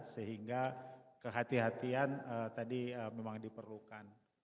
sehingga kehatian kehatian tadi memang diperlukan